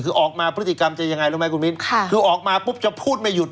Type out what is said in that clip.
คือออกมาพฤติกรรมจะยังไงรู้ไหมคุณมิ้นค่ะคือออกมาปุ๊บจะพูดไม่หยุด